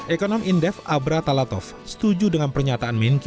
ekonom indef abra talatov setuju dengan pernyataan menkyu